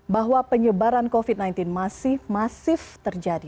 bahwa penyebaran covid sembilan belas masih masif terjadi